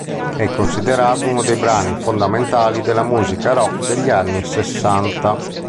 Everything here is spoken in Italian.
È considerato uno dei brani fondamentali della musica rock degli anni sessanta.